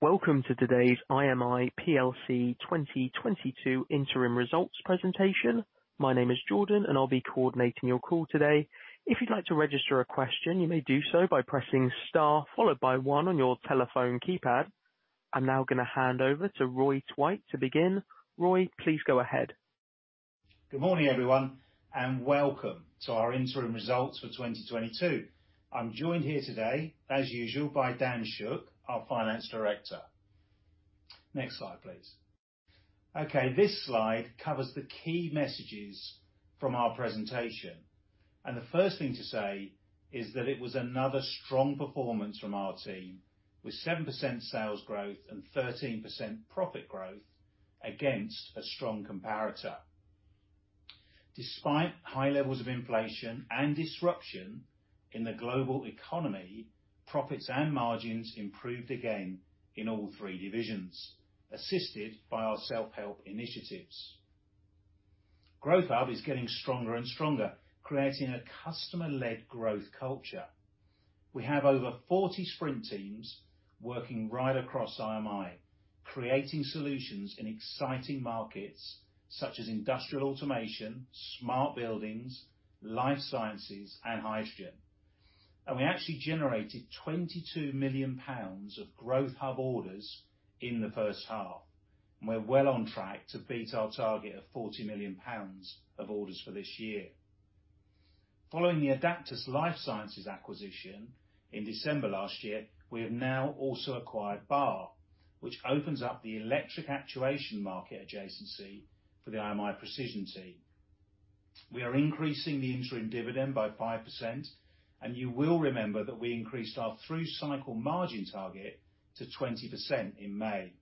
Welcome to today's IMI Plc 2022 Interim Results Presentation. My name is Jordan, and I'll be coordinating your call today. If you'd like to register a question, you may do so by pressing Star followed by One on your telephone keypad. I'm now gonna hand over to Roy Twite to begin. Roy, please go ahead. Good morning, everyone, and welcome to our interim results for 2022. I'm joined here today, as usual, by Daniel Shook, our Finance Director. Next slide, please. Okay, this slide covers the key messages from our presentation, and the first thing to say is that it was another strong performance from our team with 7% sales growth and 13% profit growth against a strong comparator. Despite high levels of inflation and disruption in the global economy, profits and margins improved again in all three divisions, assisted by our self-help initiatives. Growth Hub is getting stronger and stronger, creating a customer-led growth culture. We have over 40 sprint teams working right across IMI, creating solutions in exciting markets such as Industrial Automation, smart buildings, life sciences, and hydrogen. We actually generated 22 million pounds of Growth Hub orders in the first half. We're well on track to beat our target of 40 million pounds of orders for this year. Following the Adaptas acquisition in December last year, we have now also acquired Bahr, which opens up the electric actuation market adjacency for the IMI Precision team. We are increasing the interim dividend by 5%, and you will remember that we increased our through cycle margin target to 20% in May.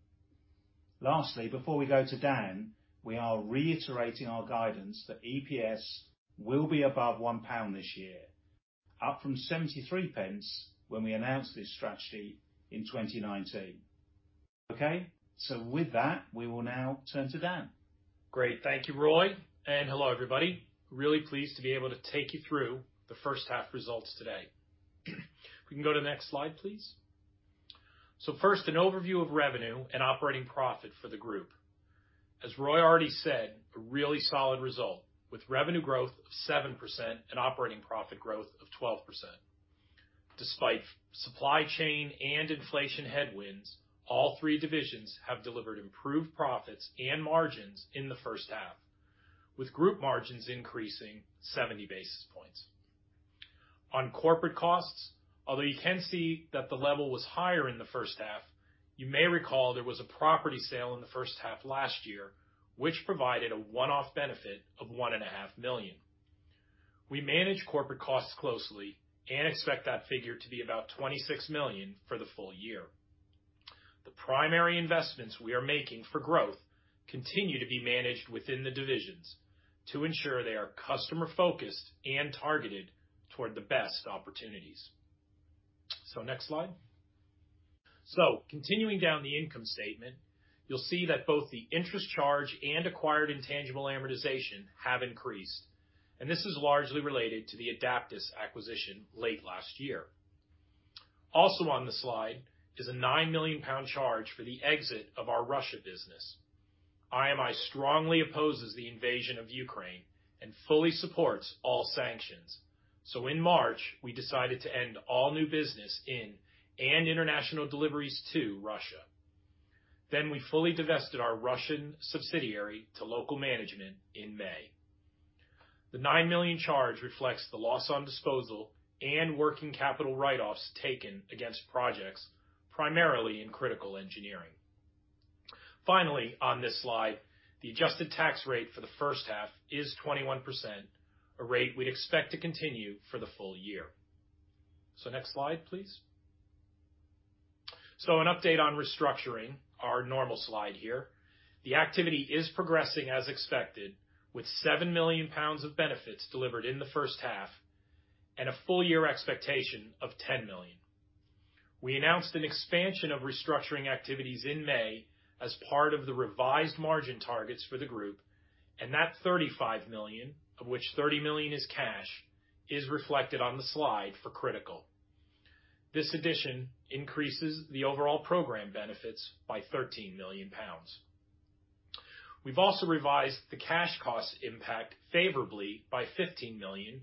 Lastly, before we go to Dan, we are reiterating our guidance that EPS will be above 1 pound this year, up from 0.73 when we announced this strategy in 2019. Okay? With that, we will now turn to Dan. Great. Thank you, Roy, and hello, everybody. Really pleased to be able to take you through the first half results today. We can go to the next slide, please. First, an overview of revenue and operating profit for the group. As Roy already said, a really solid result with revenue growth of 7% and operating profit growth of 12%. Despite supply chain and inflation headwinds, all three divisions have delivered improved profits and margins in the first half, with group margins increasing 70 basis points. On corporate costs, although you can see that the level was higher in the first half, you may recall there was a property sale in the first half last year, which provided a one-off benefit of 1.5 million. We manage corporate costs closely and expect that figure to be about 26 million for the full year. The primary investments we are making for growth continue to be managed within the divisions to ensure they are customer-focused and targeted toward the best opportunities. Next slide. Continuing down the income statement, you'll see that both the interest charge and acquired intangible amortization have increased, and this is largely related to the Adaptas acquisition late last year. Also on the slide is a 9 million pound charge for the exit of our Russia business. IMI strongly opposes the invasion of Ukraine and fully supports all sanctions. In March, we decided to end all new business in Russia and international deliveries to Russia. We fully divested our Russian subsidiary to local management in May. The 9 million charge reflects the loss on disposal and working capital write-offs taken against projects, primarily in Critical Engineering. Finally, on this slide, the adjusted tax rate for the first half is 21%, a rate we'd expect to continue for the full year. Next slide, please. An update on restructuring, our normal slide here. The activity is progressing as expected with 7 million pounds of benefits delivered in the first half and a full year expectation of 10 million. We announced an expansion of restructuring activities in May as part of the revised margin targets for the group, and that 35 million, of which 30 million is cash, is reflected on the slide for Critical. This addition increases the overall program benefits by 13 million pounds. We've also revised the cash cost impact favorably by 15 million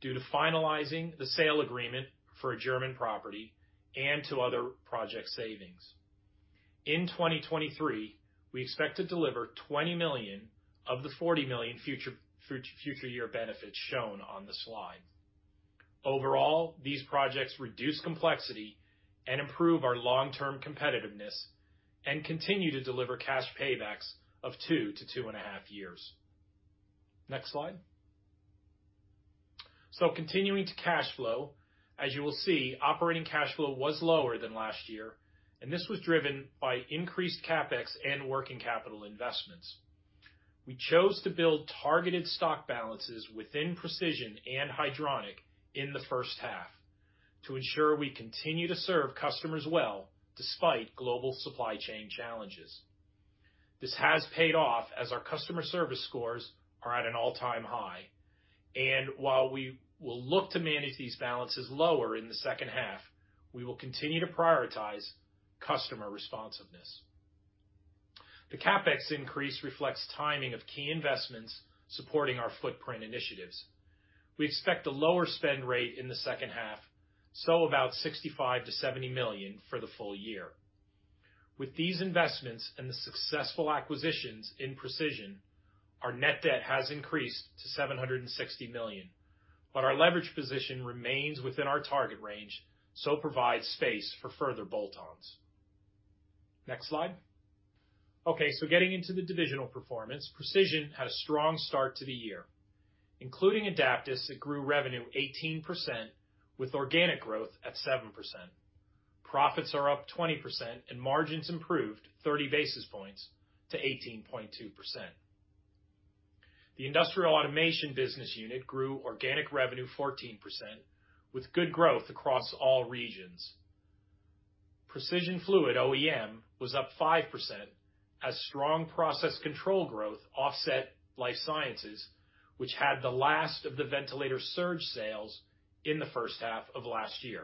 due to finalizing the sale agreement for a German property and to other project savings. In 2023, we expect to deliver 20 million of the 40 million future year benefits shown on the slide. Overall, these projects reduce complexity and improve our long-term competitiveness and continue to deliver cash paybacks of 2-2.5 years. Next slide. Continuing to cash flow, as you will see, operating cash flow was lower than last year, and this was driven by increased CapEx and working capital investments. We chose to build targeted stock balances within Precision and Hydronic in the first half to ensure we continue to serve customers well despite global supply chain challenges. This has paid off as our customer service scores are at an all-time high. While we will look to manage these balances lower in the second half, we will continue to prioritize customer responsiveness. The CapEx increase reflects timing of key investments supporting our footprint initiatives. We expect a lower spend rate in the second half, so about 65 million-70 million for the full year. With these investments and the successful acquisitions in Precision, our net debt has increased to 760 million, but our leverage position remains within our target range, so provides space for further bolt-ons. Next slide. Okay, getting into the divisional performance, Precision had a strong start to the year. Including Adaptas, it grew revenue 18% with organic growth at 7%. Profits are up 20% and margins improved 30 basis points to 18.2%. The Industrial Automation business unit grew organic revenue 14% with good growth across all regions. Precision Fluid OEM was up 5% as strong process control growth offset life sciences, which had the last of the ventilator surge sales in the first half of last year,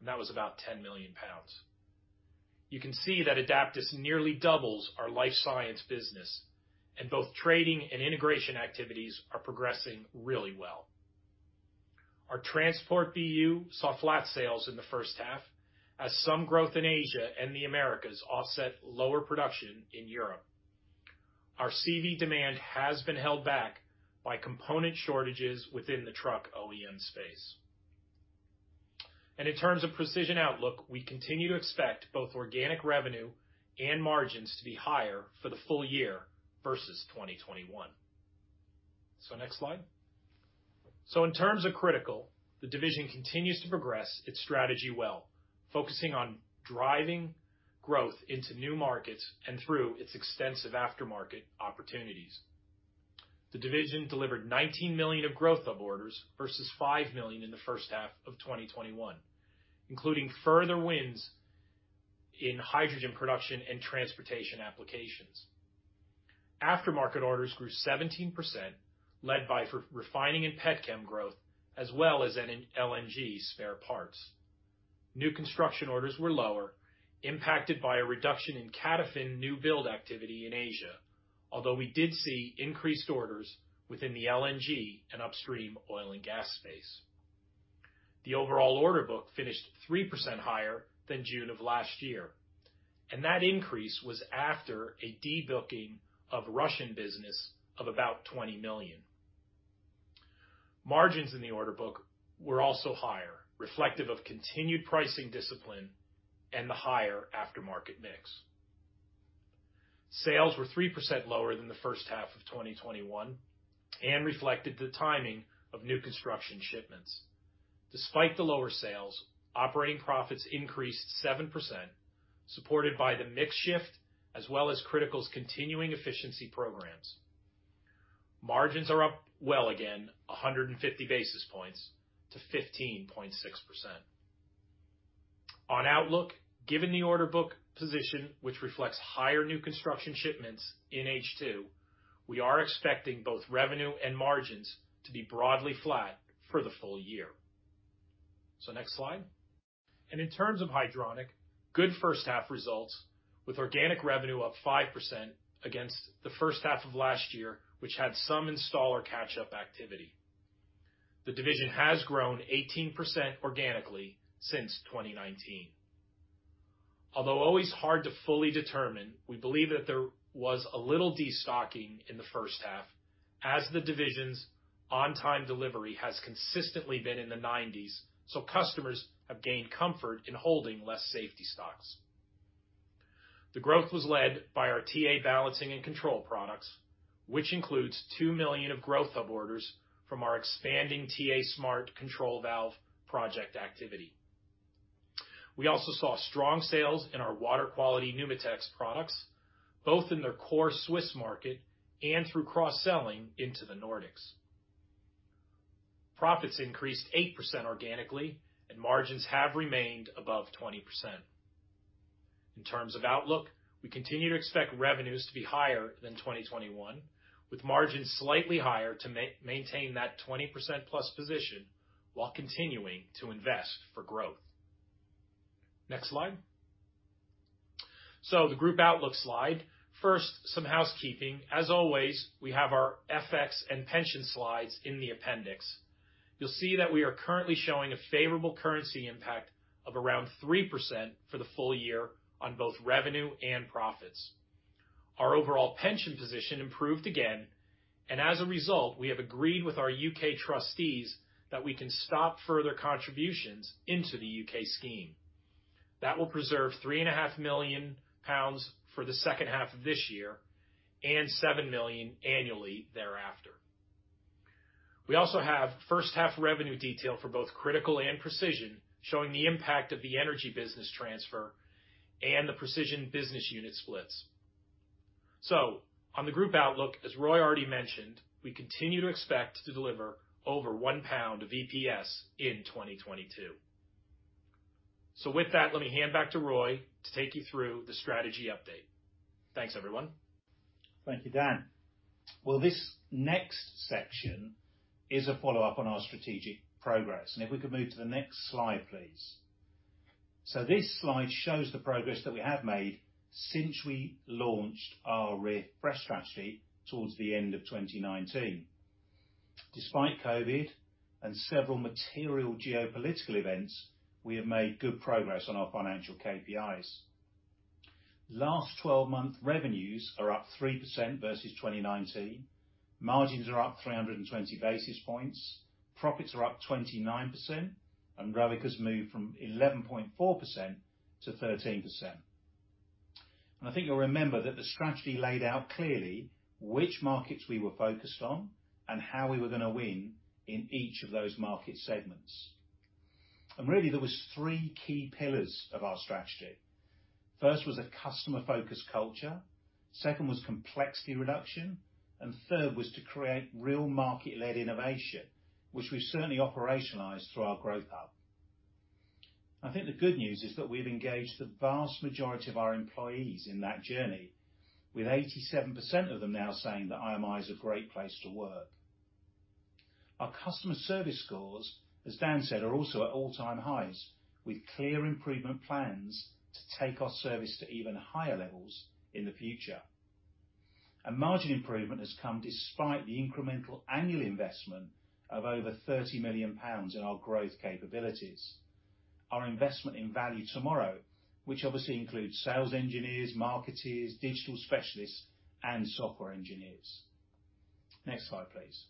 and that was about 10 million pounds. You can see that Adaptas nearly doubles our life science business, and both trading and integration activities are progressing really well. Our Transport BU saw flat sales in the first half as some growth in Asia and the Americas offset lower production in Europe. Our CV demand has been held back by component shortages within the truck OEM space. In terms of Precision outlook, we continue to expect both organic revenue and margins to be higher for the full year versus 2021. Next slide. In terms of Critical, the division continues to progress its strategy well, focusing on driving growth into new markets and through its extensive aftermarket opportunities. The division delivered 19 million of growth of orders versus 5 million in the first half of 2021, including further wins in hydrogen production and transportation applications. Aftermarket orders grew 17%, led by refining and petchem growth, as well as LNG spare parts. New construction orders were lower, impacted by a reduction in CATOFIN new build activity in Asia, although we did see increased orders within the LNG and upstream oil and gas space. The overall order book finished 3% higher than June of last year, and that increase was after a de-booking of Russian business of about 20 million. Margins in the order book were also higher, reflective of continued pricing discipline and the higher aftermarket mix. Sales were 3% lower than the first half of 2021 and reflected the timing of new construction shipments. Despite the lower sales, operating profits increased 7%, supported by the mix shift as well as Critical's continuing efficiency programs. Margins are up well again, 150 basis points to 15.6%. On outlook, given the order book position, which reflects higher new construction shipments in H2, we are expecting both revenue and margins to be broadly flat for the full year. Next slide. In terms of Hydronic, good first half results with organic revenue up 5% against the first half of last year, which had some installer catch-up activity. The division has grown 18% organically since 2019. Although always hard to fully determine, we believe that there was a little destocking in the first half as the division's on-time delivery has consistently been in the 90s, so customers have gained comfort in holding less safety stocks. The growth was led by our TA balancing and control products, which includes 2 million of growth of orders from our expanding TA-Smart control valve project activity. We also saw strong sales in our water quality Pneumatex products, both in their core Swiss market and through cross-selling into the Nordics. Profits increased 8% organically, and margins have remained above 20%. In terms of outlook, we continue to expect revenues to be higher than 2021, with margins slightly higher to maintain that 20%+ position while continuing to invest for growth. Next slide. The group outlook slide. First, some housekeeping. As always, we have our FX and pension slides in the appendix. You'll see that we are currently showing a favorable currency impact of around 3% for the full year on both revenue and profits. Our overall pension position improved again, and as a result, we have agreed with our U.K. trustees that we can stop further contributions into the U.K. scheme. That will preserve three and a half million GBP for the second half of this year and 7 million GBP annually thereafter. We also have first half revenue detail for both Critical and Precision showing the impact of the energy business transfer and the Precision business unit splits. On the group outlook, as Roy already mentioned, we continue to expect to deliver over 1 pound of EPS in 2022. With that, let me hand back to Roy to take you through the strategy update. Thanks, everyone. Thank you, Dan. Well, this next section is a follow-up on our strategic progress, and if we could move to the next slide, please. This slide shows the progress that we have made since we launched our refresh strategy towards the end of 2019. Despite COVID and several material geopolitical events, we have made good progress on our financial KPIs. Last 12-month revenues are up 3% versus 2019. Margins are up 320 basis points. Profits are up 29%, and ROE has moved from 11.4% to 13%. I think you'll remember that the strategy laid out clearly which markets we were focused on and how we were gonna win in each of those market segments. Really, there was 3 key pillars of our strategy. First was a customer-focused culture, second was complexity reduction, and third was to create real market-led innovation, which we've certainly operationalized through our Growth Hub. I think the good news is that we've engaged the vast majority of our employees in that journey, with 87% of them now saying that IMI is a great place to work. Our customer service scores, as Dan said, are also at all-time highs, with clear improvement plans to take our service to even higher levels in the future. A margin improvement has come despite the incremental annual investment of over 30 million pounds in our growth capabilities. Our investment in Value Tomorrow, which obviously includes sales engineers, marketers, digital specialists, and software engineers. Next slide, please.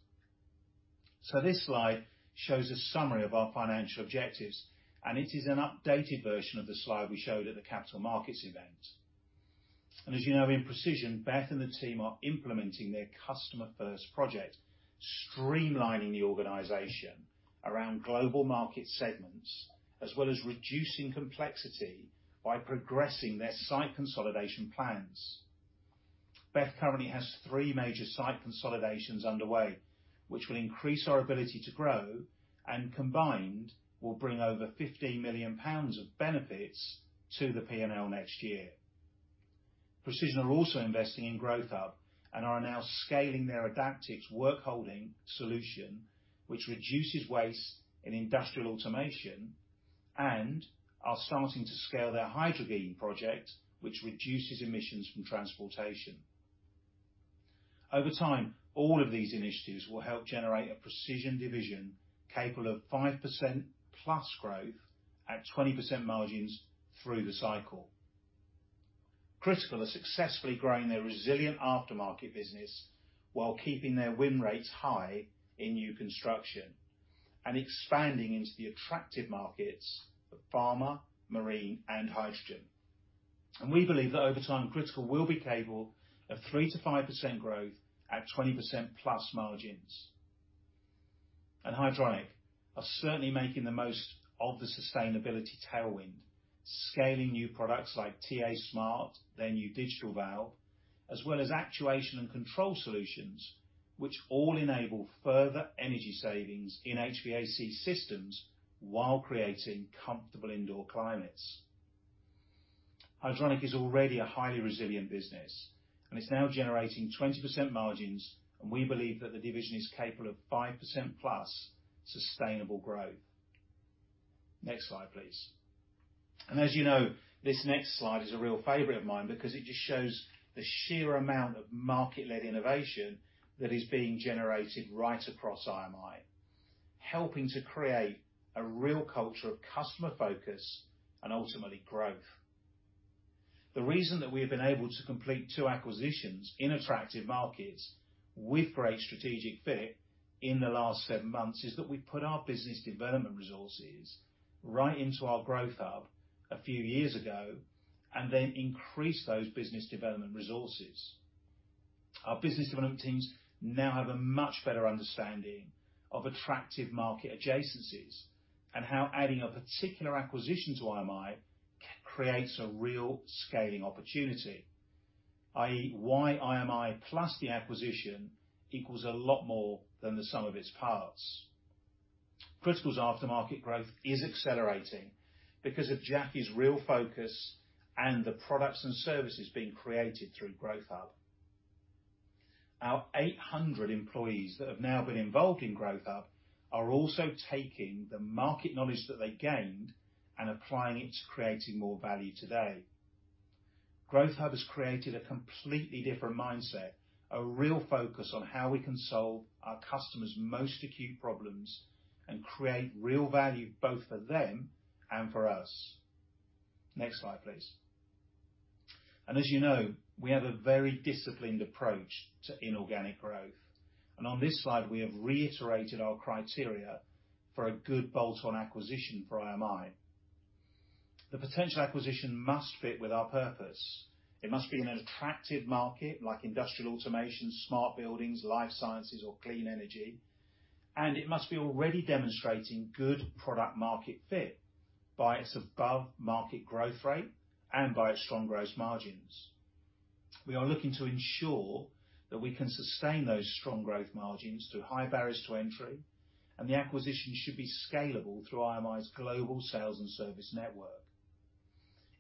This slide shows a summary of our financial objectives, and it is an updated version of the slide we showed at the capital markets event. As you know, in Precision, Beth and the team are implementing their Customer First project, streamlining the organization around global market segments, as well as reducing complexity by progressing their site consolidation plans. Beth currently has three major site consolidations underway, which will increase our ability to grow and combined will bring over 15 million pounds of benefits to the P&L next year. Precision are also investing in Growth Hub and are now scaling their Adaptix workholding solution, which reduces waste in Industrial Automation, and are starting to scale their green hydrogen project, which reduces emissions from transportation. Over time, all of these initiatives will help generate a Precision division capable of 5%+ growth at 20% margins through the cycle. Critical are successfully growing their resilient aftermarket business while keeping their win rates high in new construction and expanding into the attractive markets of pharma, marine, and hydrogen. We believe that over time, Critical will be capable of 3%-5% growth at 20%+ margins. Hydronic are certainly making the most of the sustainability tailwind, scaling new products like TA-Smart, their new digital valve, as well as actuation and control solutions, which all enable further energy savings in HVAC systems while creating comfortable indoor climates. Hydronic is already a highly resilient business, and it's now generating 20% margins, and we believe that the division is capable of 5%+ sustainable growth. Next slide, please. As you know, this next slide is a real favorite of mine because it just shows the sheer amount of market-led innovation that is being generated right across IMI, helping to create a real culture of customer focus and ultimately growth. The reason that we have been able to complete 2 acquisitions in attractive markets with great strategic fit in the last 7 months is that we put our business development resources right into our Growth Hub a few years ago and then increased those business development resources. Our business development teams now have a much better understanding of attractive market adjacencies and how adding a particular acquisition to IMI creates a real scaling opportunity. i.e., why IMI plus the acquisition equals a lot more than the sum of its parts. Critical's aftermarket growth is accelerating because of Jackie's real focus and the products and services being created through Growth Hub. Our 800 employees that have now been involved in Growth Hub are also taking the market knowledge that they gained and applying it to creating more value today. Growth Hub has created a completely different mindset, a real focus on how we can solve our customers' most acute problems and create real value both for them and for us. Next slide, please. As you know, we have a very disciplined approach to inorganic growth. On this slide, we have reiterated our criteria for a good bolt-on acquisition for IMI. The potential acquisition must fit with our purpose. It must be in an attractive market, like Industrial Automation, smart buildings, life sciences, or clean energy. It must be already demonstrating good product market fit by its above-market growth rate and by its strong gross margins. We are looking to ensure that we can sustain those strong growth margins through high barriers to entry, and the acquisition should be scalable through IMI's global sales and service network.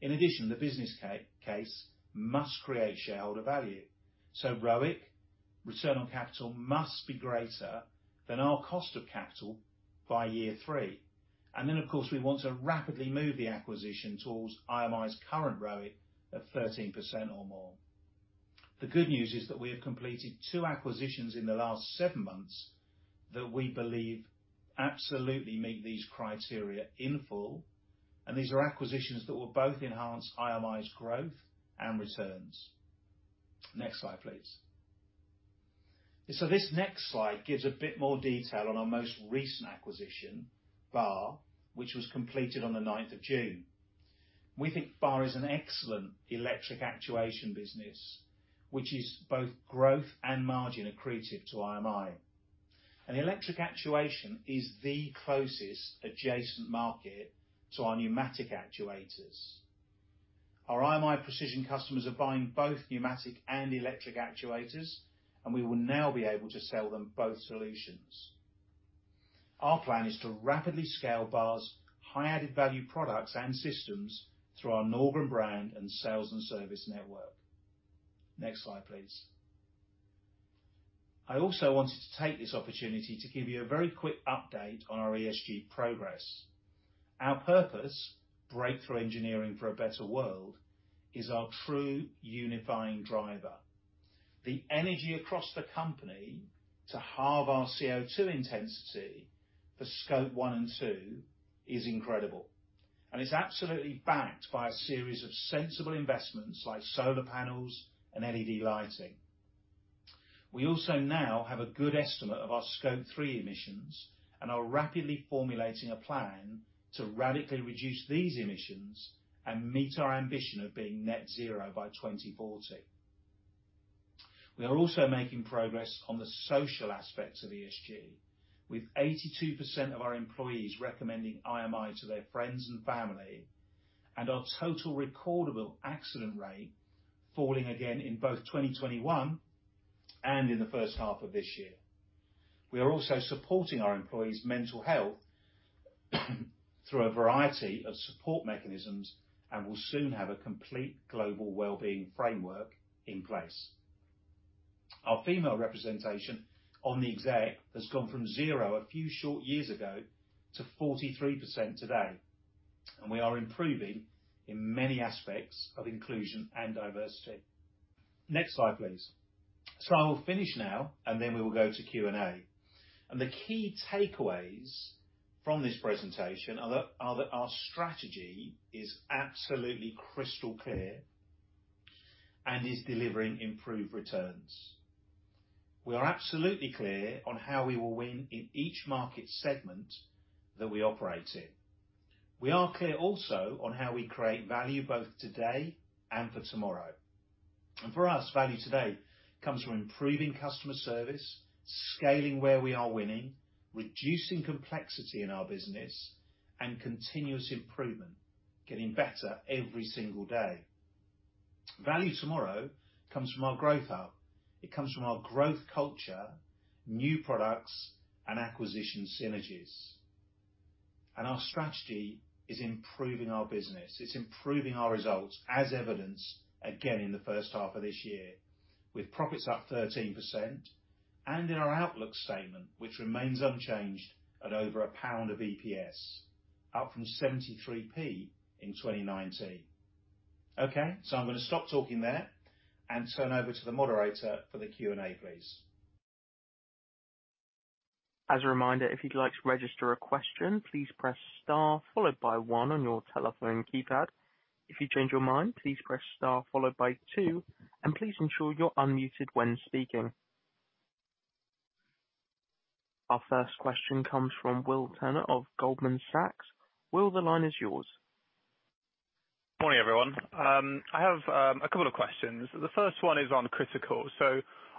In addition, the business case must create shareholder value, so ROIC, return on capital, must be greater than our cost of capital by year three. Of course, we want to rapidly move the acquisition towards IMI's current ROIC of 13% or more. The good news is that we have completed 2 acquisitions in the last 7 months that we believe absolutely meet these criteria in full, and these are acquisitions that will both enhance IMI's growth and returns. Next slide, please. This next slide gives a bit more detail on our most recent acquisition, Bahr, which was completed on the ninth of June. We think Bahr is an excellent electric actuation business, which is both growth and margin accretive to IMI, and electric actuation is the closest adjacent market to our pneumatic actuators. Our IMI Precision customers are buying both pneumatic and electric actuators, and we will now be able to sell them both solutions. Our plan is to rapidly scale Bahr's high added-value products and systems through our Norgren brand and sales and service network. Next slide, please. I also wanted to take this opportunity to give you a very quick update on our ESG progress. Our purpose, breakthrough engineering for a better world, is our true unifying driver. The energy across the company to halve our CO2 intensity for Scope 1 and 2 is incredible, and it's absolutely backed by a series of sensible investments like solar panels and LED lighting. We also now have a good estimate of our Scope 3 emissions and are rapidly formulating a plan to radically reduce these emissions and meet our ambition of being net zero by 2040. We are also making progress on the social aspects of ESG, with 82% of our employees recommending IMI to their friends and family, and our total recordable accident rate falling again in both 2021 and in the first half of this year. We are also supporting our employees' mental health through a variety of support mechanisms and will soon have a complete global well-being framework in place. Our female representation on the exec has gone from zero a few short years ago to 43% today, and we are improving in many aspects of inclusion and diversity. Next slide, please. I will finish now, and then we will go to Q&A. The key takeaways from this presentation are that our strategy is absolutely crystal clear and is delivering improved returns. We are absolutely clear on how we will win in each market segment that we operate in. We are clear also on how we create value both today and for tomorrow. For us, value today comes from improving customer service, scaling where we are winning, reducing complexity in our business, and continuous improvement, getting better every single day. Value tomorrow comes from our Growth Hub. It comes from our growth culture, new products, and acquisition synergies. Our strategy is improving our business. It's improving our results, as evidenced again in the first half of this year, with profits up 13% and in our outlook statement, which remains unchanged at over £1 of EPS, up from 73p in 2019. Okay, I'm gonna stop talking there and turn over to the moderator for the Q&A, please. As a reminder, if you'd like to register a question, please press star followed by one on your telephone keypad. If you change your mind, please press star followed by two, and please ensure you're unmuted when speaking. Our first question comes from William Turner of Goldman Sachs. Will, the line is yours. Morning, everyone. I have a couple of questions. The first one is on Critical.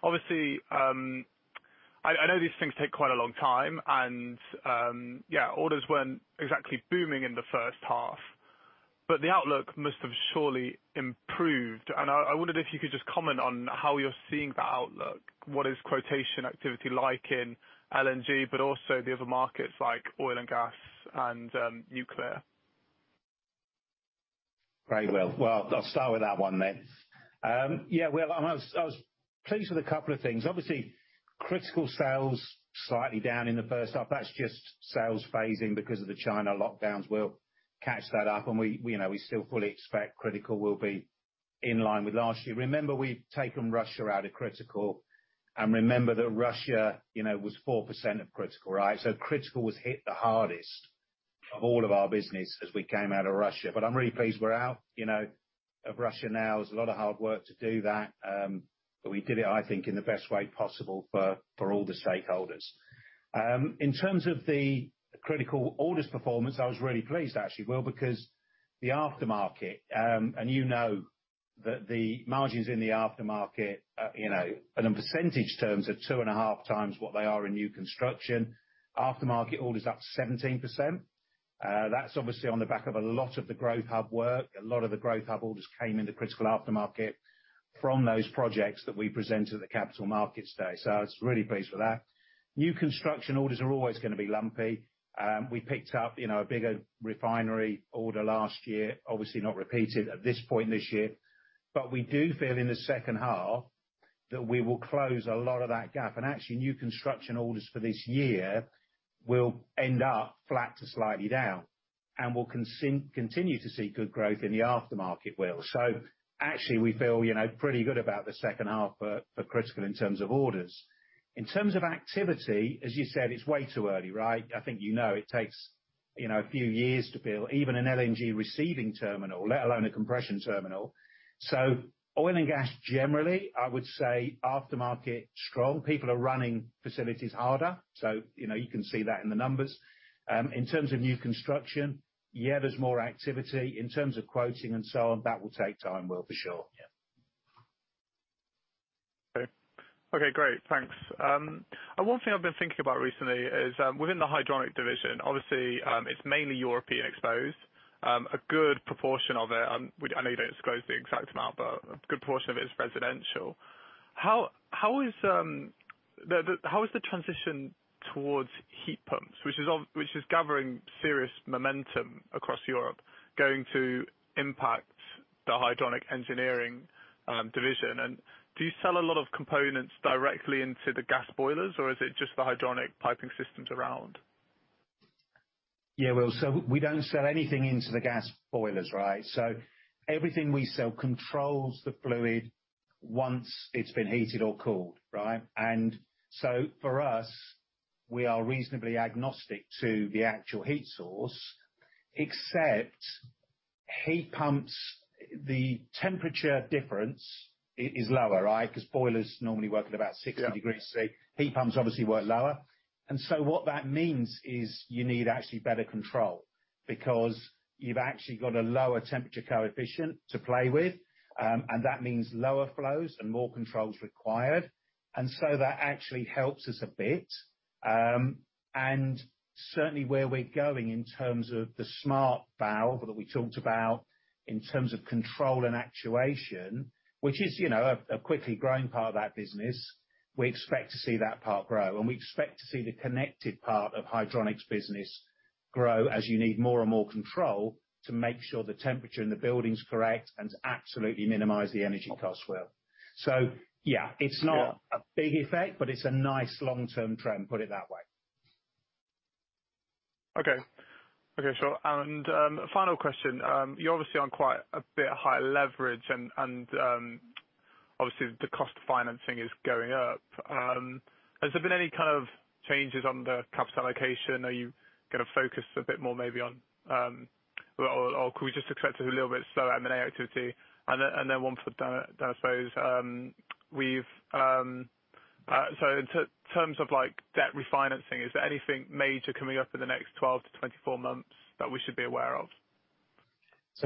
Obviously, I know these things take quite a long time and yeah, orders weren't exactly booming in the first half, but the outlook must have surely improved. I wondered if you could just comment on how you're seeing that outlook. What is quotation activity like in LNG, but also the other markets like oil and gas and nuclear? Great, Will. Well, I'll start with that one then. Yeah, Will, I was pleased with a couple of things. Obviously, Critical sales slightly down in the first half. That's just sales phasing because of the China lockdowns. We'll catch that up and we, you know, we still fully expect Critical will be in line with last year. Remember, we've taken Russia out of Critical and remember that Russia, you know, was 4% of Critical, right? So Critical was hit the hardest of all of our business as we came out of Russia. But I'm really pleased we're out, you know, of Russia now. It was a lot of hard work to do that, but we did it, I think, in the best way possible for all the stakeholders. In terms of the Critical orders performance, I was really pleased actually, Will, because the aftermarket, and you know that the margins in the aftermarket, you know, in percentage terms are two and a half times what they are in new construction. Aftermarket orders up 17%. That's obviously on the back of a lot of the Growth Hub work. A lot of the Growth Hub orders came into Critical Aftermarket from those projects that we presented at the Capital Markets Day, so I was really pleased with that. New construction orders are always gonna be lumpy. We picked up, you know, a bigger refinery order last year, obviously not repeated at this point in this year. We do feel in the second half that we will close a lot of that gap. Actually, new construction orders for this year will end up flat to slightly down, and we'll continue to see good growth in the aftermarket well. Actually we feel, you know, pretty good about the second half for Critical in terms of orders. In terms of activity, as you said, it's way too early, right? I think you know it takes, you know, a few years to build even an LNG receiving terminal, let alone a compression terminal. Oil and gas generally, I would say aftermarket, strong. People are running facilities harder, so, you know, you can see that in the numbers. In terms of new construction, yeah, there's more activity. In terms of quoting and so on, that will take time, Will, for sure. Okay, great. Thanks. One thing I've been thinking about recently is, within the Hydronic division, obviously, it's mainly European exposed. A good proportion of it, which I know you don't disclose the exact amount, but a good portion of it is residential. How is the transition towards heat pumps, which is gathering serious momentum across Europe, going to impact the Hydronic Engineering division? And do you sell a lot of components directly into the gas boilers, or is it just the hydronic piping systems around? Yeah, Will, we don't sell anything into the gas boilers, right? Everything we sell controls the fluid once it's been heated or cooled, right? For us, we are reasonably agnostic to the actual heat source, except heat pumps, the temperature difference is lower, right? 'Cause boilers normally work at about 60 degrees Celsius. Yeah. Heat pumps obviously work lower. What that means is you need actually better control, because you've actually got a lower temperature coefficient to play with, and that means lower flows and more controls required. That actually helps us a bit. Certainly where we're going in terms of the smart valve that we talked about, in terms of control and actuation, which is, you know, a quickly growing part of that business, we expect to see that part grow. We expect to see the connected part of hydronics business grow, as you need more and more control to make sure the temperature in the building's correct, and to absolutely minimize the energy costs, Will. Yeah. Yeah. It's not a big effect, but it's a nice long-term trend, put it that way. Okay. Okay, sure. Final question. You're obviously on quite a bit higher leverage and obviously the cost of financing is going up. Has there been any kind of changes on the capital allocation? Are you gonna focus a bit more maybe on, or could we just expect a little bit slower M&A activity? Then one for Dan, I suppose. So in terms of like debt refinancing, is there anything major coming up in the next 12-24 months that we should be aware of?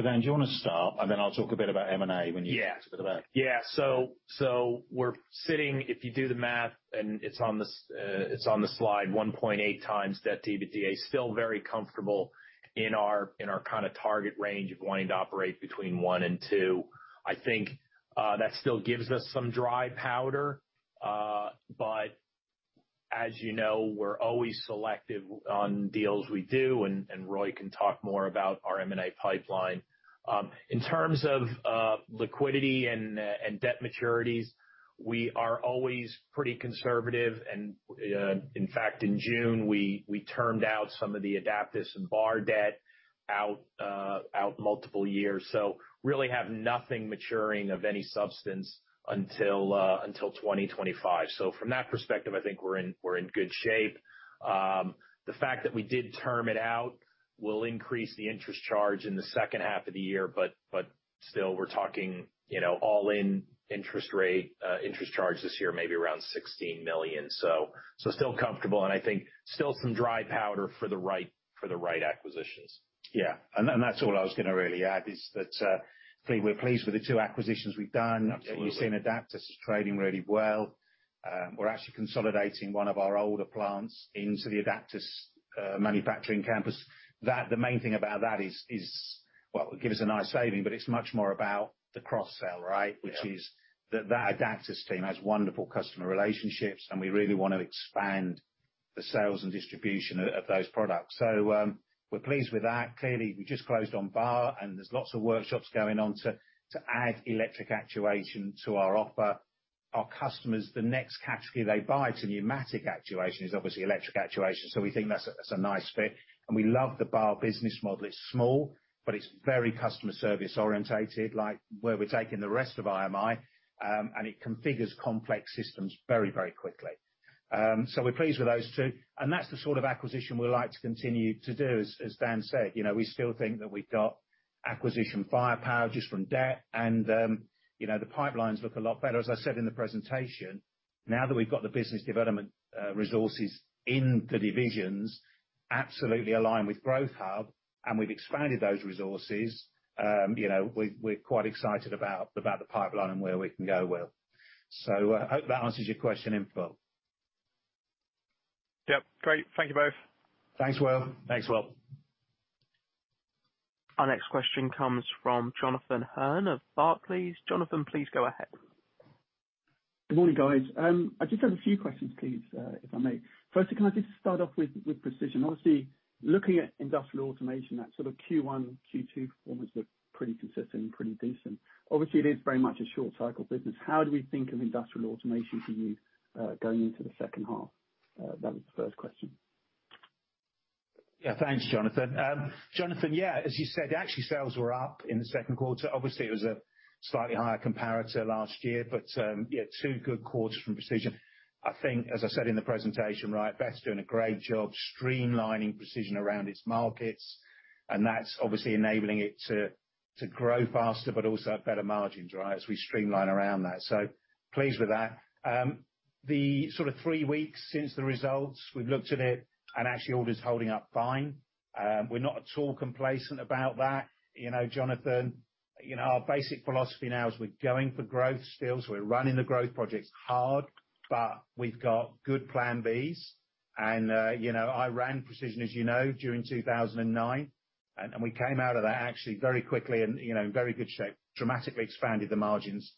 Dan, do you wanna start? Then I'll talk a bit about M&A when you've talked a bit about- We're sitting, if you do the math, and it's on the slide 1.8x debt to EBITDA. Still very comfortable in our kinda target range of wanting to operate between 1 and 2. I think that still gives us some dry powder, but as you know, we're always selective on deals we do, and Roy can talk more about our M&A pipeline. In terms of liquidity and debt maturities, we are always pretty conservative and, in fact, in June, we termed out some of the Adaptas and Bahr debt out multiple years. Really have nothing maturing of any substance until 2025. From that perspective, I think we're in good shape. The fact that we did term it out will increase the interest charge in the second half of the year, but still we're talking, you know, all in interest rate, interest charge this year, maybe around 16 million. Still comfortable, and I think still some dry powder for the right acquisitions. Yeah. That's all I was gonna really add, is that clearly we're pleased with the two acquisitions we've done. Absolutely. You've seen Adaptas is trading really well. We're actually consolidating one of our older plants into the Adaptas manufacturing campus. That, the main thing about that is well, it'll give us a nice saving, but it's much more about the cross-sell, right? Yeah. Which is that Adaptas team has wonderful customer relationships, and we really wanna expand the sales and distribution of those products. We're pleased with that. Clearly, we just closed on Bahr, and there's lots of workshops going on to add electric actuation to our offer. Our customers, the next category they buy to pneumatic actuation is obviously electric actuation, so we think that's a nice fit. We love the Bahr business model. It's small, but it's very customer service-oriented, like where we're taking the rest of IMI, and it configures complex systems very, very quickly. We're pleased with those two, and that's the sort of acquisition we'd like to continue to do, as Dan said. You know, we still think that we've got acquisition firepower just from debt and, you know, the pipelines look a lot better. As I said in the presentation, now that we've got the business development resources in the divisions absolutely aligned with Growth Hub, and we've expanded those resources, you know, we're quite excited about the pipeline and where we can go, Will. Hope that answers your question in full. Yep. Great. Thank you both. Thanks, Will. Thanks, Will. Our next question comes from Jonathan Hurn of Barclays. Jonathan, please go ahead. Good morning, guys. I just have a few questions, please, if I may. Firstly, can I just start off with Precision? Obviously, looking at Industrial Automation, that sort of Q1, Q2 performance looked pretty consistent and pretty decent. Obviously, it is very much a short cycle business. How do we think of Industrial Automation for you going into the second half? That was the first question. Yeah. Thanks, Jonathan. Jonathan, yeah, as you said, actually, sales were up in the second quarter. Obviously, it was a slightly higher comparator last year, but, yeah, two good quarters from Precision. I think, as I said in the presentation, right, Beth's doing a great job streamlining Precision around its markets, and that's obviously enabling it to grow faster but also have better margins, right, as we streamline around that. Pleased with that. The sort of three weeks since the results, we've looked at it, and actually orders holding up fine. We're not at all complacent about that. You know, Jonathan, our basic philosophy now is we're going for growth still. We're running the growth projects hard, but we've got good Plan Bs. You know, I ran Precision, as you know, during 2009, and we came out of that actually very quickly and, you know, in very good shape. Dramatically expanded the margins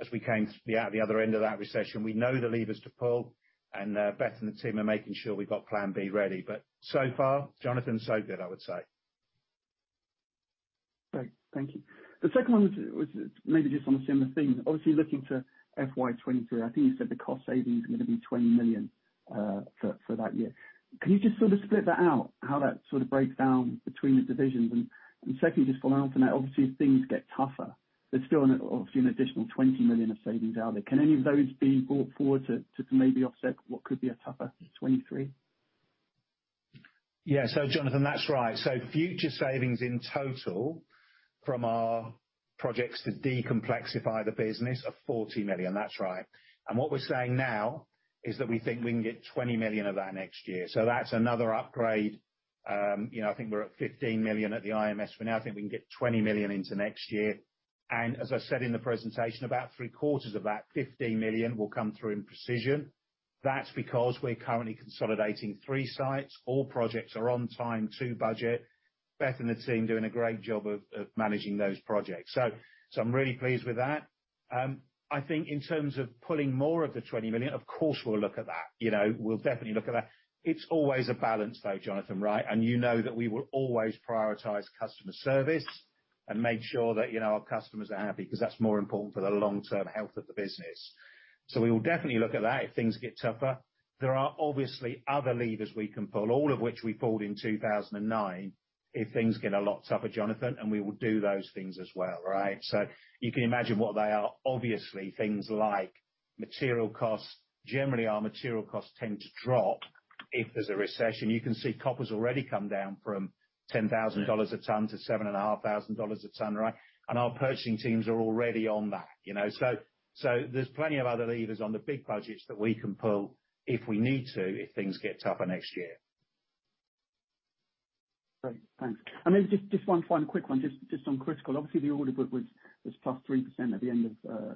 as we came out the other end of that recession. We know the levers to pull, and Beth and the team are making sure we've got plan B ready. So far, Jonathan, so good, I would say. Great, thank you. The second one was maybe just on a similar theme. Obviously, looking to FY 2023, I think you said the cost savings are gonna be 20 million for that year. Can you just sort of split that out, how that sort of breaks down between the divisions? Secondly, just following on from that, obviously, if things get tougher, there's still an additional 20 million of savings out there. Can any of those be brought forward to maybe offset what could be a tougher 2023? Yeah. Jonathan Hurn, that's right. Future savings in total from our projects to decomplexify the business are 40 million. That's right. What we're saying now is that we think we can get 20 million of that next year. That's another upgrade. You know, I think we're at 15 million at the CMD for now. I think we can get 20 million into next year. As I said in the presentation, about three-quarters of that 50 million will come through in Precision. That's because we're currently consolidating three sites. All projects are on time, to budget. Beth and the team doing a great job of managing those projects. I'm really pleased with that. I think in terms of pulling more of the 20 million, of course, we'll look at that. You know, we'll definitely look at that. It's always a balance though, Jonathan, right? You know that we will always prioritize customer service and make sure that, you know, our customers are happy, 'cause that's more important for the long-term health of the business. We will definitely look at that if things get tougher. There are obviously other levers we can pull, all of which we pulled in 2009, if things get a lot tougher, Jonathan, and we will do those things as well, right? You can imagine what they are. Obviously, things like material costs. Generally, our material costs tend to drop if there's a recession. You can see copper's already come down from $10,000 a ton to $7,500 a ton, right? Our purchasing teams are already on that, you know? there's plenty of other levers on the big budgets that we can pull if we need to, if things get tougher next year. Great, thanks. Maybe just one final quick one, just on Critical. Obviously, the order book was plus 3% at the end of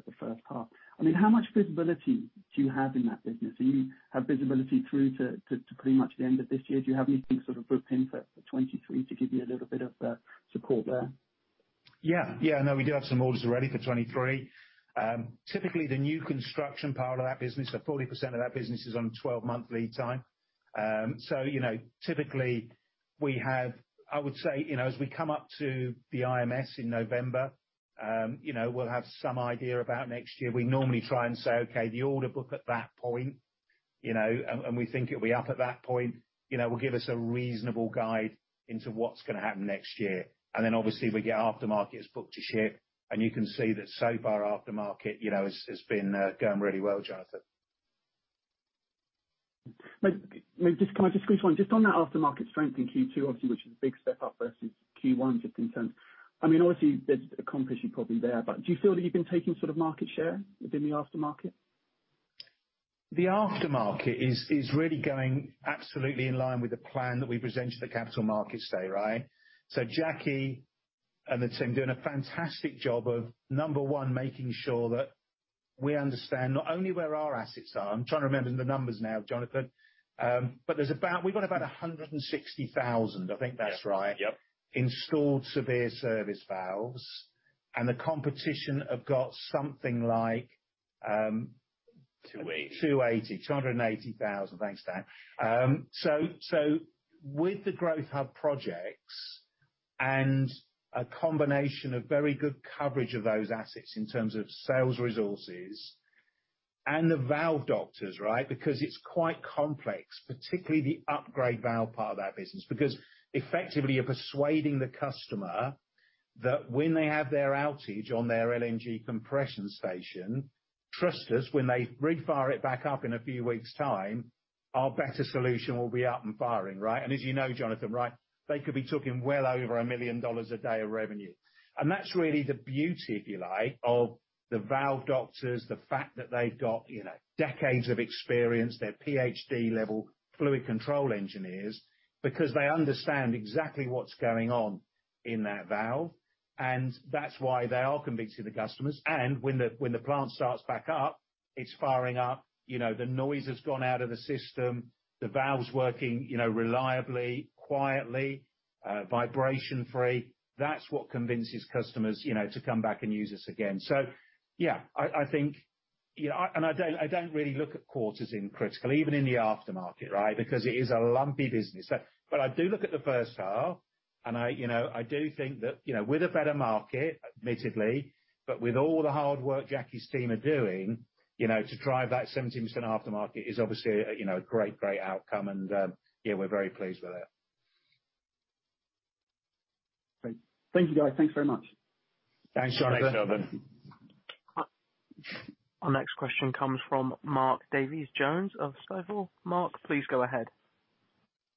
the first half. I mean, how much visibility do you have in that business? Do you have visibility through to pretty much the end of this year? Do you have anything sort of booked in for 2023 to give you a little bit of support there? Yeah. Yeah, no, we do have some orders already for 2023. Typically the new construction power of that business, so 40% of that business is on a 12-month lead time. So, you know, typically we have, I would say, you know, as we come up to the CMD in November, you know, we'll have some idea about next year. We normally try and say, okay, the order book at that point, you know, and we think it'll be up at that point, you know, will give us a reasonable guide into what's gonna happen next year. Obviously we get aftermarket is book to ship, and you can see that so far aftermarket, you know, has been going really well, Jonathan Hurn. Maybe just, can I just quick one, just on that aftermarket strength in Q2 obviously, which is a big step up versus Q1 to a certain extent. I mean, obviously there's a comparison problem there, but do you feel that you've been taking sort of market share within the aftermarket? The aftermarket is really going absolutely in line with the plan that we presented at Capital Markets Day, right? Jackie and the team doing a fantastic job of, number one, making sure that we understand not only where our assets are, I'm trying to remember the numbers now, Jonathan, but we've got about 160,000, I think that's right. Yep. Yep installed severe service valves, and the competition have got something like, 280. 280. 280,000. Thanks, Dan. So with the Growth Hub projects and a combination of very good coverage of those assets in terms of sales resources and the Valve Doctors, right? Because it's quite complex, particularly the upgrade valve part of that business. Because effectively you're persuading the customer that when they have their outage on their LNG compression station, trust us when they refire it back up in a few weeks' time, our better solution will be up and firing, right? As you know, Jonathan, right, they could be talking well over $1 million a day of revenue. That's really the beauty, if you like, of the Valve Doctors, the fact that they've got, you know, decades of experience, they're PhD-level fluid control engineers, because they understand exactly what's going on in that valve. That's why they are convincing the customers. When the plant starts back up, it's firing up, you know, the noise has gone out of the system, the valve's working, you know, reliably, quietly, vibration-free. That's what convinces customers, you know, to come back and use us again. Yeah, I think you know, I don't really look at quarters in Critical, even in the aftermarket, right? Because it is a lumpy business. I do look at the first half, and I, you know, I do think that, you know, with a better market, admittedly, but with all the hard work Jackie's team are doing, you know, to drive that 17% aftermarket is obviously, you know, a great outcome and, yeah, we're very pleased with it. Great. Thank you, guys. Thanks very much. Thanks, Jonathan. Thanks, Jonathan. Our next question comes from Mark Davies Jones of Stifel. Mark, please go ahead.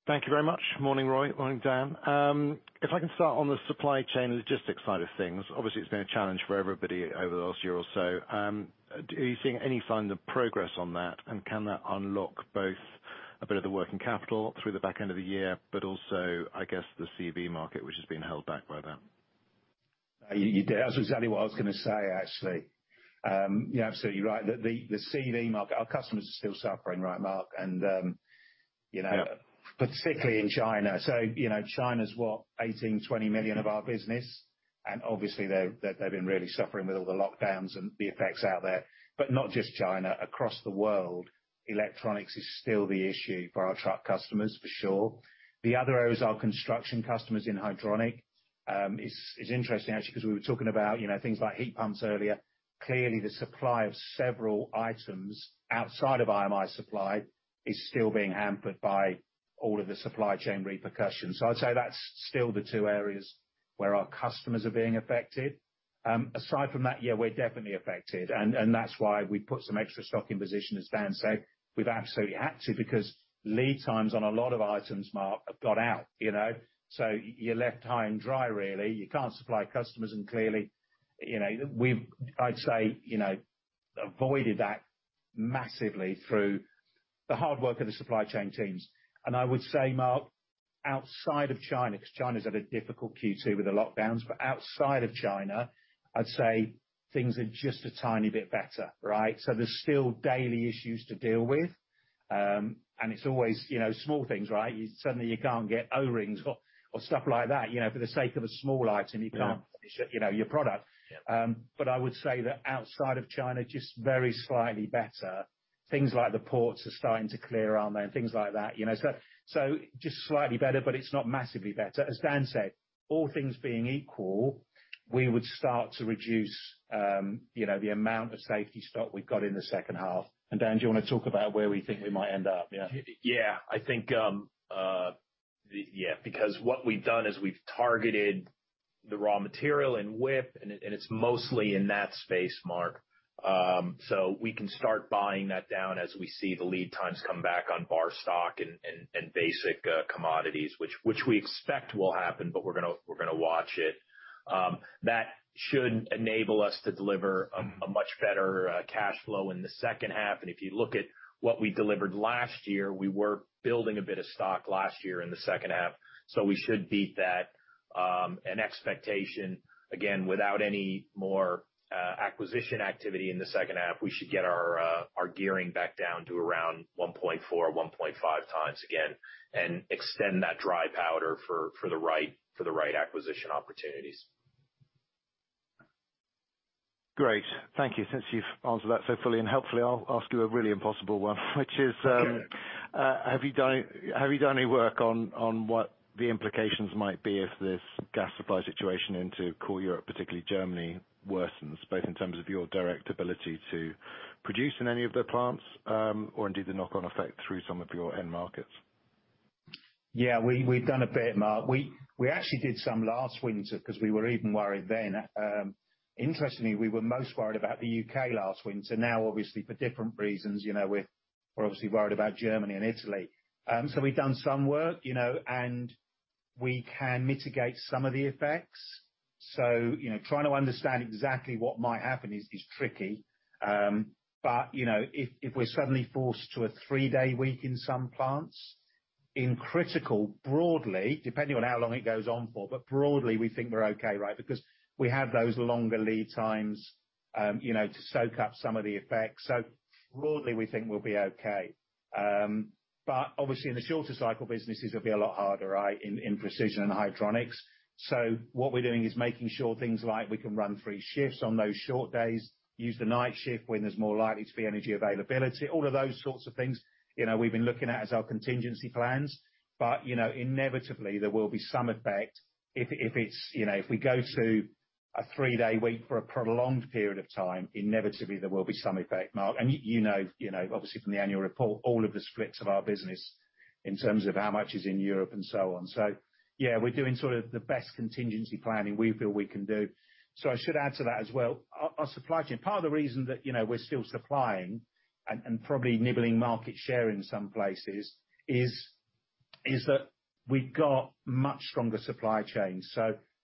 Thank you very much. Morning, Roy. Morning, Dan. If I can start on the supply chain logistics side of things. Obviously, it's been a challenge for everybody over the last year or so. Are you seeing any sign of progress on that, and can that unlock both a bit of the working capital through the back end of the year, but also, I guess, the CV market, which has been held back by that? You did. That's exactly what I was gonna say, actually. You're absolutely right. The CV market, our customers are still suffering, right, Mark? And you know- Yeah Particularly in China. You know, China's what? 18 million-20 million of our business, and obviously they've been really suffering with all the lockdowns and the effects out there. Not just China. Across the world, electronics is still the issue for our truck customers, for sure. The other areas are construction customers in Hydronic. It's interesting actually, because we were talking about, you know, things like heat pumps earlier. Clearly, the supply of several items outside of IMI supply is still being hampered by all of the supply chain repercussions. I'd say that's still the two areas where our customers are being affected. Aside from that, yeah, we're definitely affected and that's why we put some extra stock in position, as Dan said. We've absolutely had to because lead times on a lot of items, Mark, have got out, you know. You're left high and dry, really. You can't supply customers and clearly, you know, we've I'd say, you know, avoided that massively through the hard work of the supply chain teams. I would say, Mark, outside of China, because China's had a difficult Q2 with the lockdowns, but outside of China, I'd say things are just a tiny bit better, right? There's still daily issues to deal with, and it's always, you know, small things, right? Suddenly you can't get O-rings or stuff like that, you know, for the sake of a small item. Yeah You can't finish, you know, your product. But I would say that outside of China, just very slightly better. Things like the ports are starting to clear on there and things like that, you know. So just slightly better, but it's not massively better. As Dan said, all things being equal, we would start to reduce, you know, the amount of safety stock we've got in the second half. Dan, do you wanna talk about where we think we might end up? Yeah. Yeah. I think, yeah, because what we've done is we've targeted the raw material and WIP, and it's mostly in that space, Mark. So we can start buying that down as we see the lead times come back on bar stock and basic commodities, which we expect will happen, but we're gonna watch it. That should enable us to deliver a much better cash flow in the second half. If you look at what we delivered last year, we were building a bit of stock last year in the second half, so we should beat that, an expectation. Again, without any more acquisition activity in the second half, we should get our gearing back down to around 1.4 or 1.5 times again and extend that dry powder for the right acquisition opportunities. Great. Thank you. Since you've answered that so fully and helpfully, I'll ask you a really impossible one, which is, Okay Have you done any work on what the implications might be if this gas supply situation into core Europe, particularly Germany, worsens, both in terms of your direct ability to produce in any of the plants, or indeed the knock-on effect through some of your end markets? Yeah, we've done a bit, Mark. We actually did some last winter because we were even worried then. Interestingly, we were most worried about the U.K. last winter. Now, obviously for different reasons, you know, we're obviously worried about Germany and Italy. We've done some work, you know, and we can mitigate some of the effects. You know, trying to understand exactly what might happen is tricky. But, you know, if we're suddenly forced to a three-day week in some plants, in Critical, broadly, depending on how long it goes on for, but broadly, we think we're okay, right? Because we have those longer lead times, you know, to soak up some of the effects. Broadly, we think we'll be okay. But obviously in the shorter cycle businesses, it'll be a lot harder, right? In Precision and Hydronics. What we're doing is making sure things like we can run three shifts on those short days, use the night shift when there's more likely to be energy availability, all of those sorts of things, you know, we've been looking at as our contingency plans. You know, inevitably there will be some effect if it's, you know, if we go to a three-day week for a prolonged period of time, inevitably there will be some effect, Mark. You know, obviously from the annual report, all of the splits of our business in terms of how much is in Europe and so on. Yeah, we're doing sort of the best contingency planning we feel we can do. I should add to that as well, our supply chain. Part of the reason that, you know, we're still supplying and probably nibbling market share in some places is that we've got much stronger supply chains.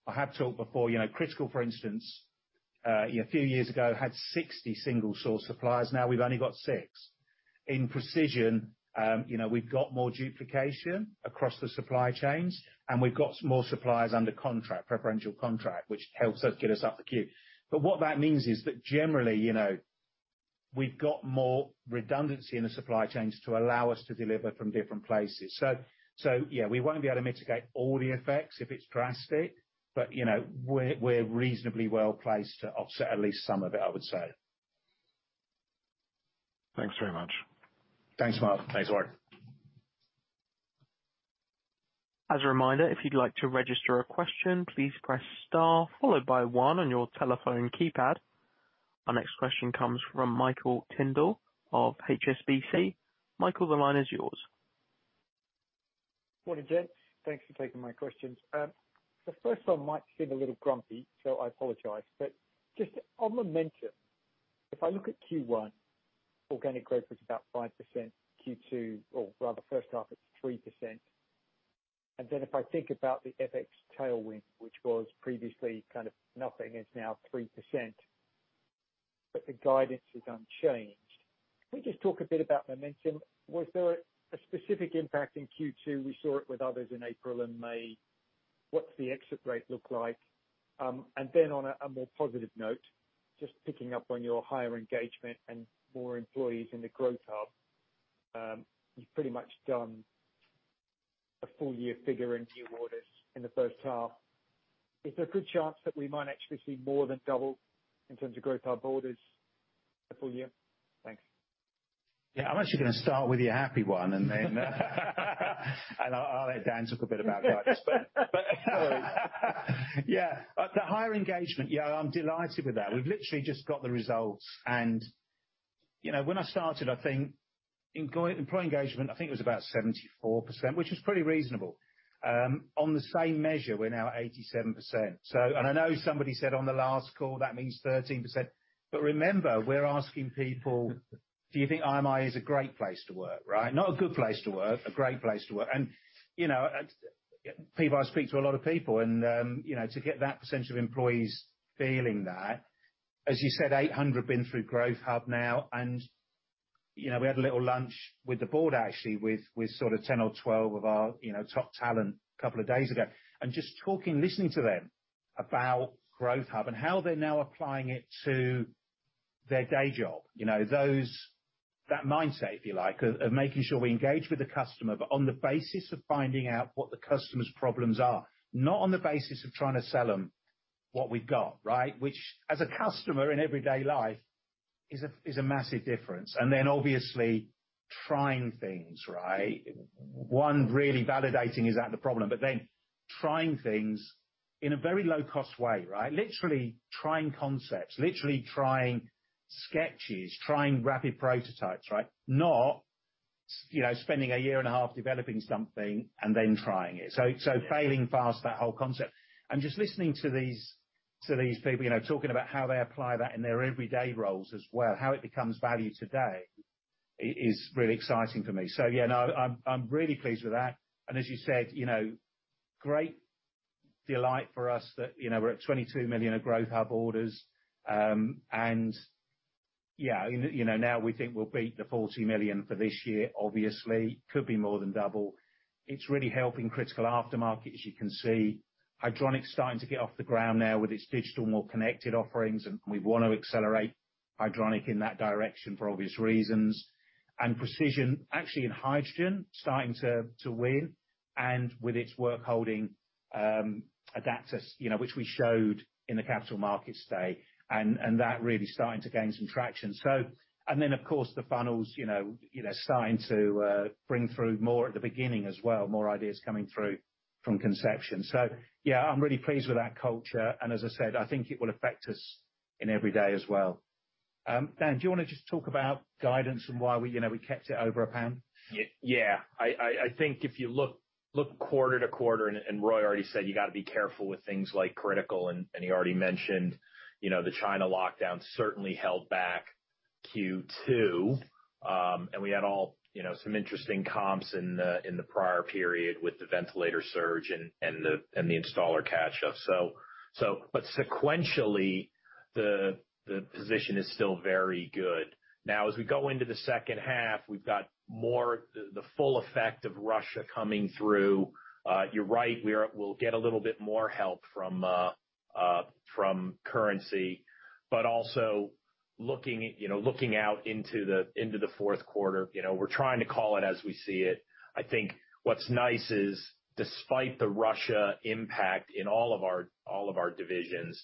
I have talked before, you know, Critical, for instance, a few years ago, had 60 single source suppliers, now we've only got 6. In Precision, you know, we've got more duplication across the supply chains, and we've got more suppliers under contract, preferential contract, which helps us get up the queue. What that means is that generally, you know, we've got more redundancy in the supply chains to allow us to deliver from different places. Yeah, we won't be able to mitigate all the effects if it's drastic, but, you know, we're reasonably well-placed to offset at least some of it, I would say. Thanks very much. Thanks, Mark. Thanks, Roy. As a reminder, if you'd like to register a question, please press star followed by one on your telephone keypad. Our next question comes from Michael Sheridan of HSBC. Michael, the line is yours. Morning, gents. Thanks for taking my questions. The first one might seem a little grumpy, so I apologize. Just on momentum, if I look at Q1, organic growth was about 5%, Q2, or rather first half, it's 3%. Then if I think about the FX tailwind, which was previously kind of nothing, it's now 3%, but the guidance is unchanged. Can we just talk a bit about momentum? Was there a specific impact in Q2? We saw it with others in April and May. What's the exit rate look like? On a more positive note, just picking up on your higher engagement and more employees in the Growth Hub, you've pretty much done a full year figure in new orders in the first half. Is there a good chance that we might actually see more than double in terms of Growth Hub orders the full year? Thanks. Yeah. I'm actually gonna start with your happy one, and then I'll let Dan talk a bit about guidance. Sorry. Yeah, the higher engagement, yeah, I'm delighted with that. We've literally just got the results. You know, when I started, I think employee engagement, I think it was about 74%, which is pretty reasonable. On the same measure, we're now 87%. I know somebody said on the last call, that means 13%. But remember, we're asking people, do you think IMI is a great place to work, right? Not a good place to work, a great place to work. You know, people I speak to a lot of people, and, you know, to get that percentage of employees feeling that. As you said, 800 been through Growth Hub now. You know, we had a little lunch with the board actually, with sort of 10 or 12 of our, you know, top talent a couple of days ago. Just talking, listening to them about Growth Hub and how they're now applying it to their day job. You know, that mindset, if you like, of making sure we engage with the customer, but on the basis of finding out what the customer's problems are, not on the basis of trying to sell them what we've got, right? Which, as a customer in everyday life, is a massive difference. Then obviously trying things, right? One, really validating, is that the problem? Then trying things in a very low cost way, right? Literally trying concepts, literally trying sketches, trying rapid prototypes, right? Not you know spending a year and a half developing something and then trying it. Failing fast, that whole concept. Just listening to these people, you know, talking about how they apply that in their everyday roles as well, how it becomes value today, is really exciting for me. Yeah, no, I'm really pleased with that. As you said, you know, great delight for us that, you know, we're at 22 million of Growth Hub orders. Yeah, you know, now we think we'll beat the 40 million for this year, obviously. Could be more than double. It's really helping Critical aftermarket, as you can see. Hydronics starting to get off the ground now with its digital, more connected offerings. We wanna accelerate Hydronic in that direction for obvious reasons. Precision, actually in hydrogen starting to win, and with its workholding Adaptix, you know, which we showed in the Capital Markets Day, and that really starting to gain some traction. Then, of course, the funnels starting to bring through more at the beginning as well, more ideas coming through from conception. Yeah, I'm really pleased with that culture. As I said, I think it will affect us in every day as well. Dan, do you wanna just talk about guidance and why we kept it over GBP 1? Yeah. I think if you look quarter-over-quarter, and Roy already said you gotta be careful with things like Critical, and he already mentioned, you know, the China lockdown certainly held back Q2. We had, you know, some interesting comps in the prior period with the ventilator surge and the installer catch-up. But sequentially, the position is still very good. Now, as we go into the second half, we've got the full effect of Russia coming through. You're right, we'll get a little bit more help from currency. But also looking, you know, out into the fourth quarter, you know, we're trying to call it as we see it. I think what's nice is, despite the Russia impact in all of our divisions,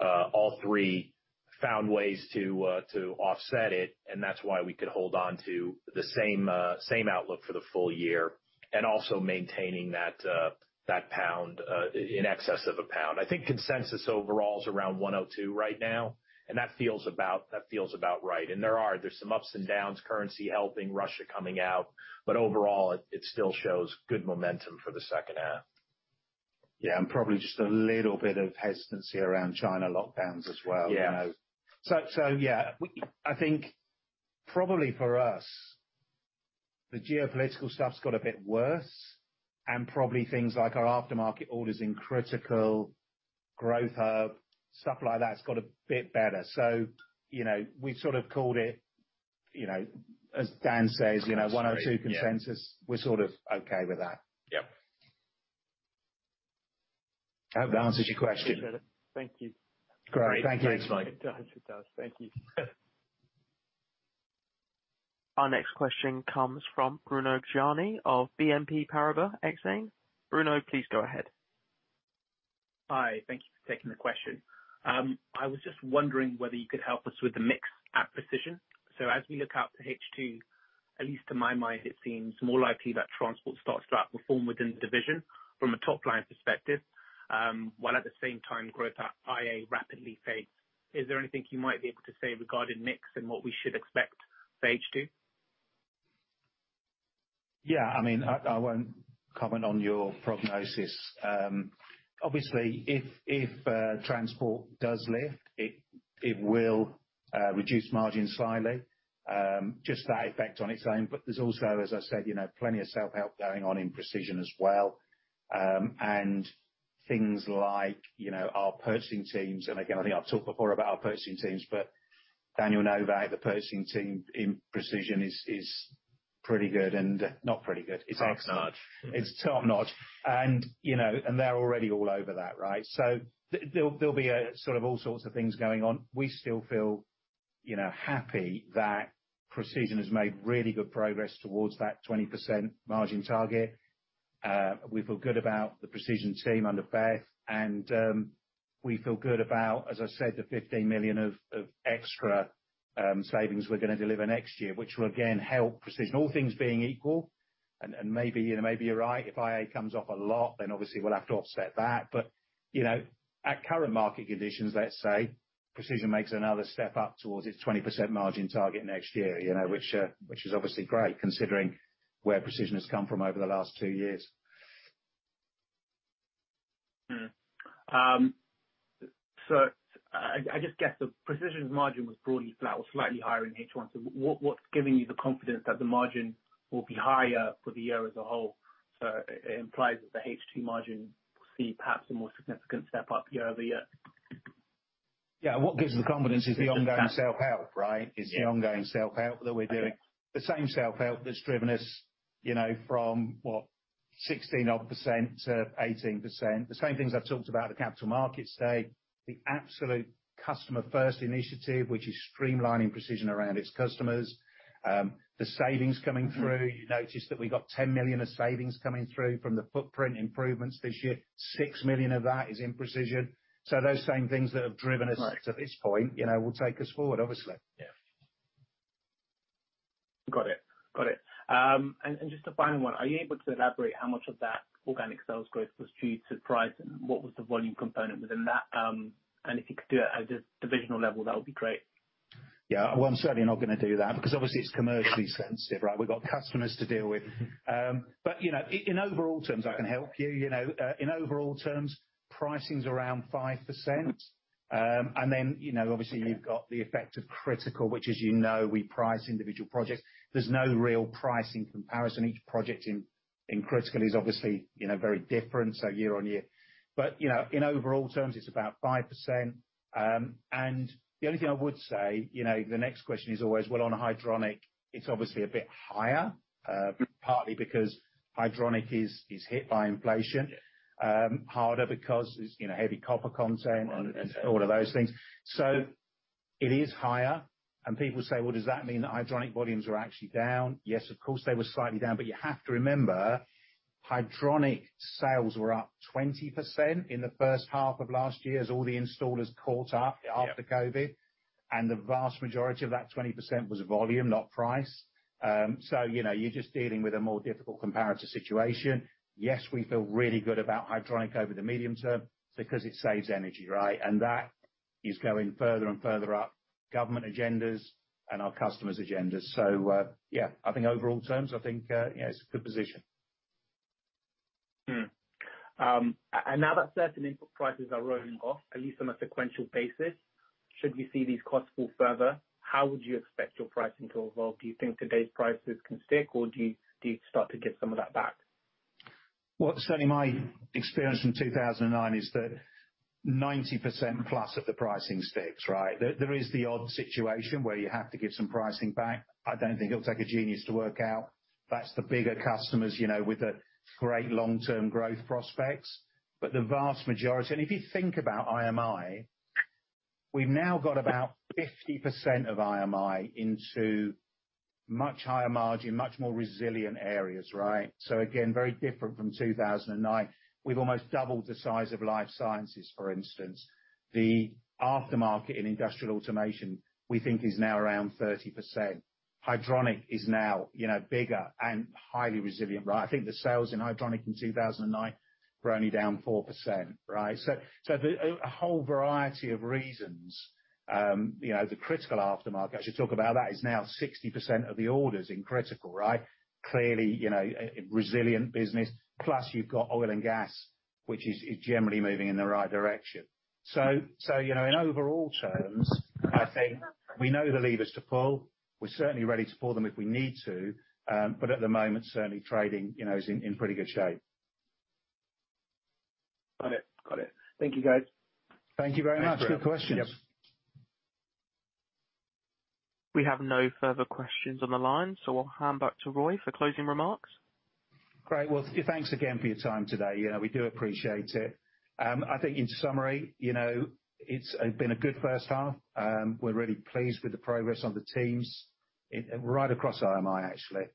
all three found ways to offset it, and that's why we could hold on to the same outlook for the full year, and also maintaining that pound in excess of a pound. I think consensus overall is around 102 right now, and that feels about right. There's some ups and downs, currency helping, Russia coming out, but overall it still shows good momentum for the second half. Yeah, probably just a little bit of hesitancy around China lockdowns as well, you know? Yeah. Yeah. I think probably for us. The geopolitical stuff's got a bit worse, and probably things like our aftermarket orders in critical Growth Hub, stuff like that's got a bit better. You know, we sort of called it, you know, as Dan says, you know, 102 consensus. Yeah. We're sort of okay with that. Yep. I hope that answers your question. Got it. Thank you. Great. Thank you. Thanks, Mike. It does. Thank you. Our next question comes from Bruno Gjani of BNP Paribas Exane. Bruno, please go ahead. Hi, thank you for taking the question. I was just wondering whether you could help us with the mix at Precision. As we look out to H2, at least to my mind, it seems more likely that transport starts to outperform within the division from a top-line perspective, while at the same time growth at IA rapidly fades. Is there anything you might be able to say regarding mix and what we should expect for H2? Yeah. I mean, I won't comment on your prognosis. Obviously, if Transport does lift, it will reduce margin slightly, just that effect on its own. There's also, as I said, you know, plenty of self-help going on in Precision as well, and things like, you know, our purchasing teams, and again, I think I've talked before about our purchasing teams, but Daniel Novak, the purchasing team in Precision is pretty good. Top-notch It's top-notch. You know, they're already all over that, right? There'll be a sort of all sorts of things going on. We still feel, you know, happy that Precision has made really good progress towards that 20% margin target. We feel good about the Precision team under Beth, and we feel good about, as I said, the 15 million of extra savings we're gonna deliver next year, which will again help Precision. All things being equal, and maybe, you know, you're right, if IA comes off a lot, then obviously we'll have to offset that. You know, at current market conditions, let's say, Precision makes another step up towards its 20% margin target next year, you know, which is obviously great, considering where Precision has come from over the last 2 years. I just guess that Precision's margin was broadly flat or slightly higher in H1. What's giving you the confidence that the margin will be higher for the year as a whole? It implies that the H2 margin will see perhaps a more significant step-up year-over-year. Yeah. What gives the confidence is the ongoing self-help, right? Yeah. It's the ongoing self-help that we're doing. The same self-help that's driven us, you know, from what, 16-odd% to 18%. The same things I've talked about at the Capital Markets Day, the absolute Customer First initiative, which is streamlining Precision around its customers. The savings coming through. Mm-hmm. You notice that we got 10 million of savings coming through from the footprint improvements this year. 6 million of that is in Precision. Those same things that have driven us. Right To this point, you know, will take us forward, obviously. Yeah. Got it. Just a final one. Are you able to elaborate how much of that organic sales growth was due to price, and what was the volume component within that? If you could do it at a divisional level, that would be great. Yeah. Well, I'm certainly not gonna do that, because obviously it's commercially sensitive, right? We've got customers to deal with. Mm-hmm. In overall terms, I can help you. You know, in overall terms, pricing's around 5%. You know, obviously you've got the effect of Critical, which, as you know, we price individual projects. There's no real pricing comparison. Each project in Critical is obviously, you know, very different, so year on year. In overall terms, it's about 5%. The only thing I would say, you know, the next question is always, well, on hydronic, it's obviously a bit higher, partly because hydronic is hit by inflation. Yeah. Harder because it's, you know, heavy copper content. Right All of those things. It is higher, and people say, "Well, does that mean that hydronic volumes are actually down?" Yes, of course, they were slightly down, but you have to remember, hydronic sales were up 20% in the first half of last year as all the installers caught up. Yeah After COVID, the vast majority of that 20% was volume, not price. You know, you're just dealing with a more difficult comparator situation. Yes, we feel really good about hydronic over the medium term because it saves energy, right? That is going further and further up government agendas and our customers' agendas. Yeah, I think overall terms, you know, it's a good position. Now that certain input prices are rolling off, at least on a sequential basis, should you see these costs fall further, how would you expect your pricing to evolve? Do you think today's prices can stick, or do you start to give some of that back? Well, certainly my experience from 2009 is that 90% plus of the pricing sticks, right? There is the odd situation where you have to give some pricing back. I don't think it'll take a genius to work out. That's the bigger customers, you know, with the great long-term growth prospects. The vast majority. If you think about IMI, we've now got about 50% of IMI into much higher margin, much more resilient areas, right? Again, very different from 2009. We've almost doubled the size of life sciences, for instance. The aftermarket in Industrial Automation, we think is now around 30%. Hydronic is now, you know, bigger and highly resilient, right? I think the sales in Hydronic in 2009 were only down 4%, right? A whole variety of reasons, you know, the Critical aftermarket, I should talk about that, is now 60% of the orders in Critical, right? Clearly, you know, a resilient business. Plus you've got oil and gas, which is generally moving in the right direction. You know, in overall terms, I think we know the levers to pull. We're certainly ready to pull them if we need to. But at the moment, certainly trading, you know, is in pretty good shape. Got it. Thank you, guys. Thank you very much for your questions. Yep. We have no further questions on the line, so I'll hand back to Roy for closing remarks. Great. Well, thanks again for your time today. You know we do appreciate it. I think in summary, you know, it's been a good first half. We're really pleased with the progress on the teams, right across IMI, actually.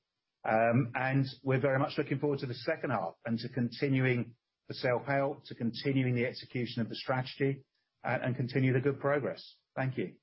We're very much looking forward to the second half and to continuing the self-help, to continuing the execution of the strategy, and continue the good progress. Thank you.